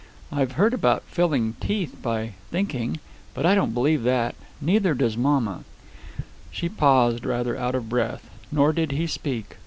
I've heard about filling teeth by thinking. But I don't believe that. Neither does mamma." She paused rather out of breath. Nor did he speak.